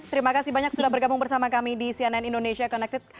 terima kasih banyak sudah bergabung bersama kami di cnn indonesia connected